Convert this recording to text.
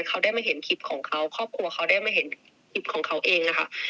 เขาได้มาเห็นคลิปของเขาครอบครัวเขาได้มาเห็นคลิปของเขาเองนะคะ